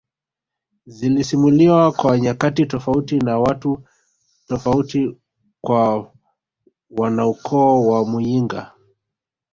zilisimuliwa kwa nyakati tofauti na watu tofauti kwa wanaukoo wa muyinga